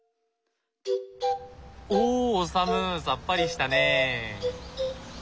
おオサムさっぱりしたね。